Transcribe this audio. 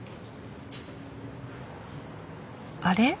あれ？